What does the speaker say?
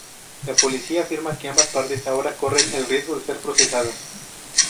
La policía afirma que ambas partes ahora corren el riesgo de ser procesadas.